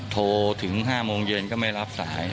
โทรถึง๕โมงเย็นก็ไม่รับสาย